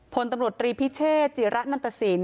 พลตำรวจรีพิเชษจิระนันตสิน